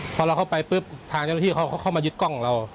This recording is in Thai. พอเราเข้าไปปุ๊บทางเจ้าหน้าที่เขาเข้ามายึดกล้องของเรา